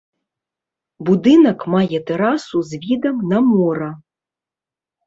Будынак мае тэрасу з відам на мора.